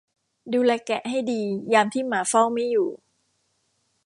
ดูแลแกะให้ดียามที่หมาเฝ้าไม่อยู่